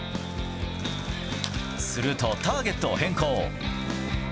するとターゲットを変更。